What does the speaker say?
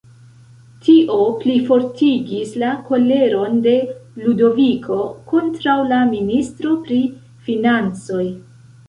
Tio plifortigis la koleron de Ludoviko kontraŭ la ministro pri financoj.